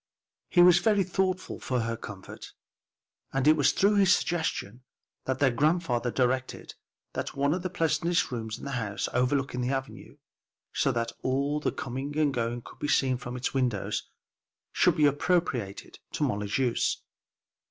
He was very thoughtful for her comfort, and it was through his suggestion, that their grandfather directed that one of the pleasantest rooms in the house, overlooking the avenue, so that all the coming and going could be seen from its windows, should be appropriated to Molly's use.